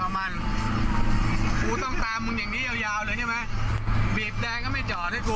มันกูต้องตามมึงอย่างนี้ยาวยาวเลยใช่ไหมบีบแดงก็ไม่จอดให้กู